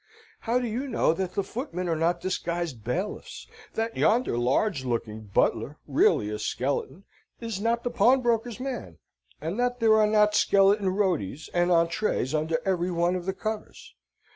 How do you know that those footmen are not disguised bailiffs? that yonder large looking butler (really a skeleton) is not the pawnbroker's man? and that there are not skeleton rotis and entrees under every one of the covers?